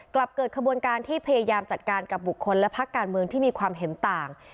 กลับเกิดขบวนการที่พยายามจัดการกับบุคคลและพักการเมืองที่มีความเห็นต่าง